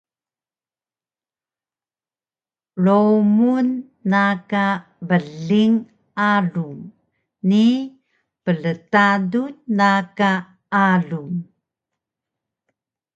Lowmun na ka bling arung ni pltadun na ka arung